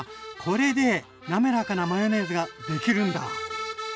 これでなめらかなマヨネーズができるんだ！